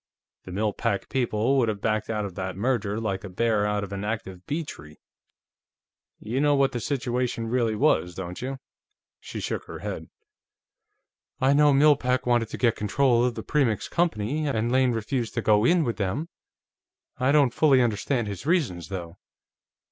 The Mill Pack people would have backed out of that merger like a bear out of an active bee tree.... You know what the situation really was, don't you?" She shook her head. "I know Mill Pack wanted to get control of the Premix Company, and Lane refused to go in with them. I don't fully understand his reasons, though."